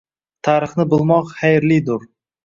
Tarixni bilmoq xayrlidirng